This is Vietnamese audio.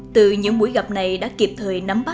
từ những buổi gặp này đã kịp thời nắm bắt chỉ đạo